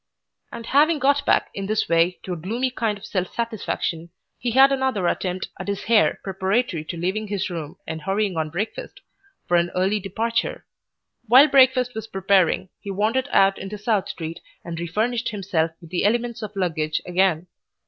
And having got back in this way to a gloomy kind of self satisfaction, he had another attempt at his hair preparatory to leaving his room and hurrying on breakfast, for an early departure. While breakfast was preparing he wandered out into South Street and refurnished himself with the elements of luggage again.